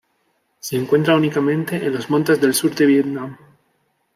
Se encuentra únicamente en los montes del sur de Vietnam.